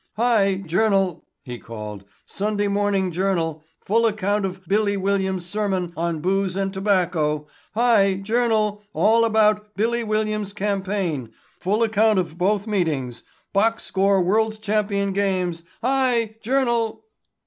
"Hi, Journal," he called, "Sunday Morning Journal—full account of "Billy" Williams' sermon on booze and tobacco—hi, Journal—all about "Billy" Williams' campaign—full account of both meetings—box score world's champion games—hi, Journal."